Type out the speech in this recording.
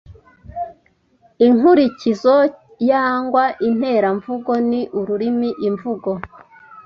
Inkurikizo yangwa interamvugo ni ururimi imvugo